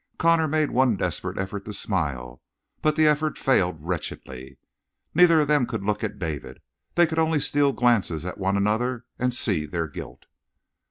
Connor made one desperate effort to smile, but the effort failed wretchedly. Neither of them could look at David; they could only steal glances at one another and see their guilt.